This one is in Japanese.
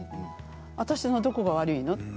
私のどこが悪いの？